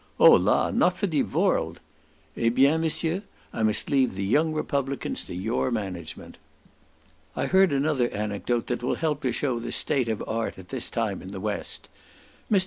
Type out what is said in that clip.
"Olar! not for de vorld." "Eh bien, Monsieur, I must leave the young republicans to your management." I heard another anecdote that will help to show the state of art at this time in the west. Mr.